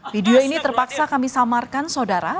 video ini terpaksa kami samarkan saudara